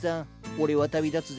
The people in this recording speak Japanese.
俺は旅立つぜ。